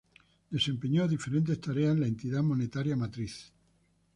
Desempeñó diferentes tareas en la entidad monetaria matriz.